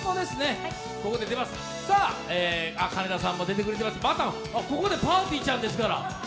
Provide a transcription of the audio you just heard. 金田さんも出てくれています、またここでぱーてぃーちゃんですから。